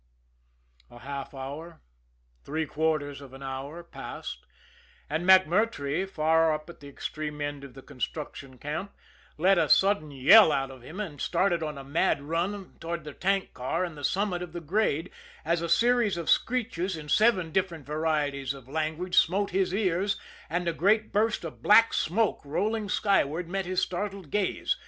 A half hour, three quarters of an hour passed and MacMurtrey, far up at the extreme end of the construction camp, let a sudden yell out of him and started on a mad run toward the tank car and the summit of the grade, as a series of screeches in seven different varieties of language smote his ears, and a great burst of black smoke rolling skyward met his startled gaze.